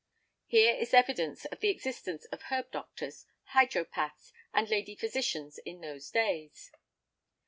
(Here is evidence of the existence of herb doctors, hydropaths and lady physicians in those days.)